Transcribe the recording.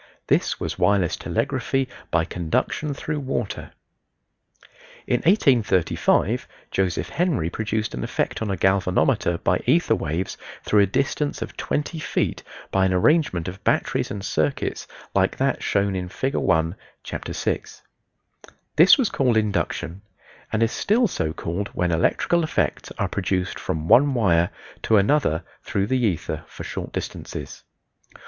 This was wireless telegraphy by conduction through water. In 1835 Joseph Henry produced an effect on a galvanometer by ether waves through a distance of twenty feet by an arrangement of batteries and circuits like that shown in Fig. 1, Chapter VI. This was called induction, and is still so called when electrical effects are produced from one wire to another through the ether for short distances.